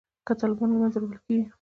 که طالبان له منځه وړل کیږي